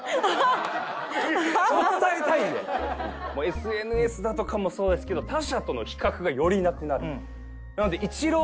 ＳＮＳだとかもそうですけど他者との比較がよりなくなる。